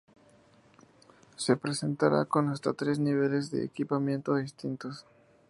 Se presentará con hasta tres niveles de equipamiento distintos.